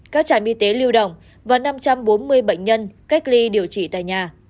các trại mi tế lưu động và năm trăm bốn mươi bệnh nhân cách ly điều trị tại nhà